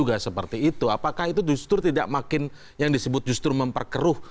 apakah itu justru tidak makin yang disebut justru memperkeruh